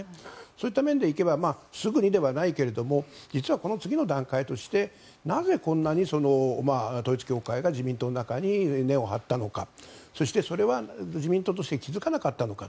そういった面で行けばすぐにではないけれども実はこの次の段階としてなぜこんなに統一教会が自民党の中に根を張ったのかそして、それは自民党として気付かなかったのか。